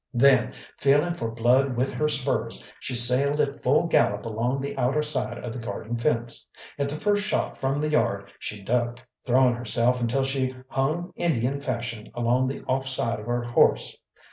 Then feeling for blood with her spurs, she sailed at full gallop along the outer side of the garden fence. At the first shot from the yard she ducked, throwing herself until she hung Indian fashion along the off side of her horse.